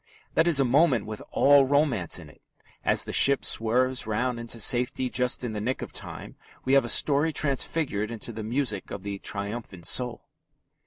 That is a moment with all romance in it. As the ship swerves round into safety just in the nick of time, we have a story transfigured into the music of the triumphant soul.